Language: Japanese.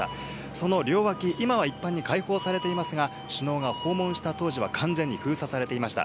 その両脇、今は一般に開放されていますが、首脳が訪問した当時は完全に封鎖されていました。